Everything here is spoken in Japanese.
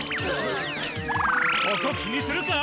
そこ気にするか？